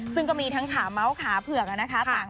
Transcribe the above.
ซึ่งก็มีทั้งขาม้าวขาเผือกนะครับ